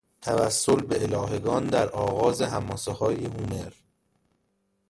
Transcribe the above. توسل به الهگان در آغاز حماسههای هومر